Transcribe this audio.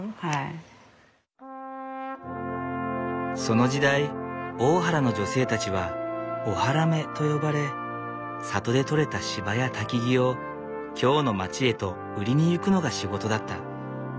その時代大原の女性たちは大原女と呼ばれ里で取れた柴や薪を京の町へと売りに行くのが仕事だった。